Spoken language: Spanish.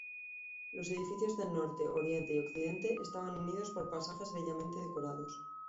Los edificios del norte, oriente y occidente, estaban unidos por pasajes bellamente decorados.